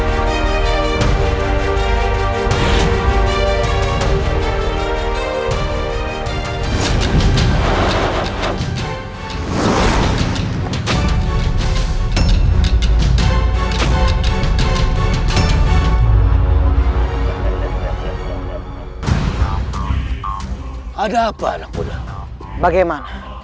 jangan sampai aku melukai dirimu